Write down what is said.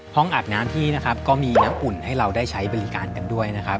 อาบน้ำที่นะครับก็มีน้ำอุ่นให้เราได้ใช้บริการกันด้วยนะครับ